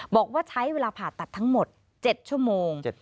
บอกว่าใช้เวลาผ่าตัดทั้งหมด๗ชั่วโมง